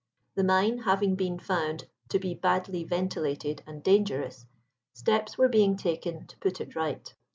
The mine having been found to be badly ventilated and dangerous, steps were being taken to put it right.